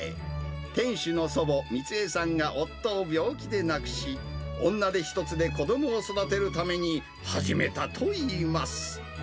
店主の祖母、光江さんが夫を病気で亡くし、女手一つで子どもを育てるために始めたといいます。